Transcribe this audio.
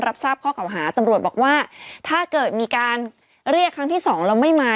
รับทราบข้อเก่าหาตำรวจบอกว่าถ้าเกิดมีการเรียกครั้งที่สองแล้วไม่มา